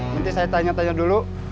nanti saya tanya tanya dulu